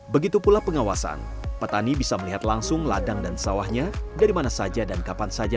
begitu pula pengawasan petani bisa melihat langsung ladang dan sawahnya dari mana saja dan kapan saja